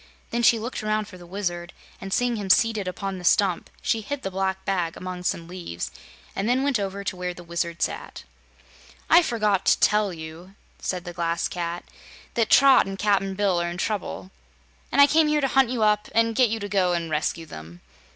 Then she looked around for the Wizard and seeing him seated upon the stump she hid the black bag among some leaves and then went over to where the Wizard sat. "I forgot to tell you," said the Glass Cat, "that Trot and Cap'n Bill are in trouble, and I came here to hunt you up and get you to go and rescue them."